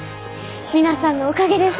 皆さんのおかげです。